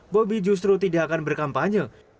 bobi justru tidak akan berkampanye